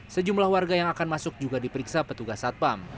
sejumlah warga yang akan masuk juga diperiksa petugas satpam